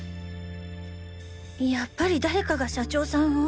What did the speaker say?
やっぱり誰かが社長さんを。